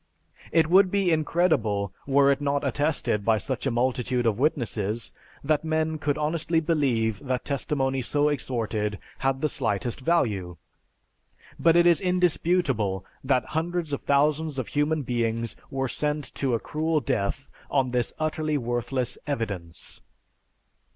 It would be incredible were it not attested by such a multitude of witnesses, that men could honestly believe that testimony so extorted had the slightest value. But it is indisputable that hundreds of thousands of human beings were sent to a cruel death on this utterly worthless "evidence."